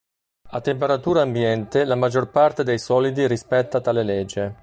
A temperatura ambiente la maggior parte dei solidi rispetta tale legge.